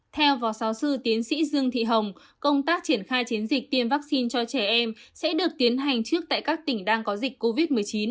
theo phó giáo sư tiến sĩ dương thị hồng công tác triển khai chiến dịch tiêm vaccine cho trẻ em sẽ được tiến hành trước tại các tỉnh đang có dịch covid một mươi chín